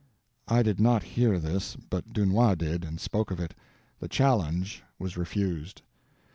I did not hear this, but Dunois did, and spoke of it. The challenge was refused.